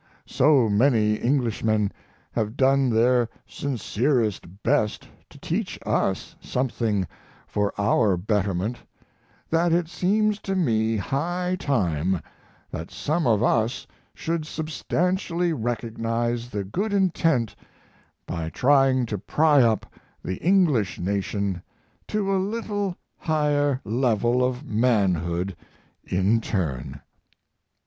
So many Englishmen have done their sincerest best to teach us something for our betterment that it seems to me high time that some of us should substantially recognize the good intent by trying to pry up the English nation to a little higher level of manhood in turn.